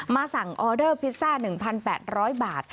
สั่งออเดอร์พิซซ่า๑๘๐๐บาท